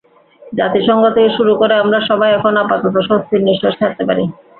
জাতিসংঘ থেকে শুরু করে আমরা সবাই এখন আপাতত স্বস্তির নিশ্বাস ছাড়তে পারি।